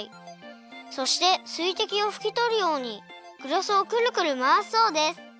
そしてすいてきをふきとるようにグラスをくるくるまわすそうです。